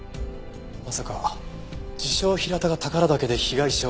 まさか自称平田が宝良岳で被害者を殺した。